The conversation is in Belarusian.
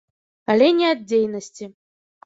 Але не ад дзейнасці.